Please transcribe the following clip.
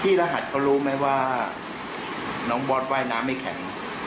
รหัสเขารู้ไหมว่าน้องบอสว่ายน้ำไม่แข็ง